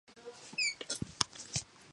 New singing bowls are made in two processes.